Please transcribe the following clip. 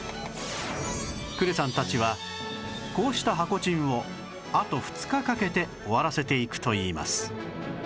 呉さんたちはこうした箱チンをあと２日かけて終わらせていくといいます